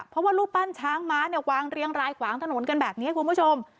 เพราะว่ารูปปั้นช้างม้าเนี่ยวางเรียงรายขวางถนนกันแบบนี้คุณผู้ชม